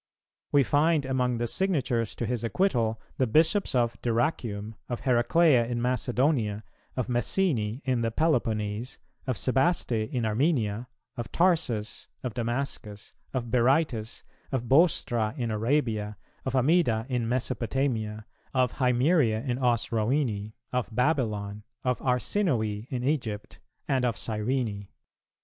We find among the signatures to his acquittal the Bishops of Dyrrachium, of Heraclea in Macedonia, of Messene in the Peloponese, of Sebaste in Armenia, of Tarsus, of Damascus, of Berytus, of Bostra in Arabia, of Amida in Mesopotamia, of Himeria in Osrhoene, of Babylon, of Arsinoe in Egypt, and of Cyrene.